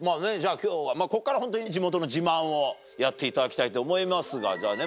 今日はここからホントに地元の自慢をやっていただきたいと思いますがじゃあね